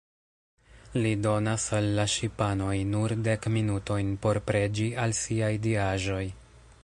Li donas al la ŝipanoj nur dek minutojn por preĝi al siaj diaĵoj.